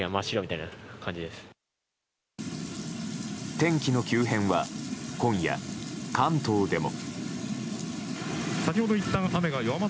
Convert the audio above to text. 天気の急変は今夜、関東でも。